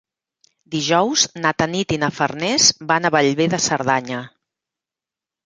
Dijous na Tanit i na Farners van a Bellver de Cerdanya.